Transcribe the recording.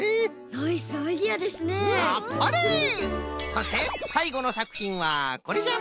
そしてさいごのさくひんはこれじゃ。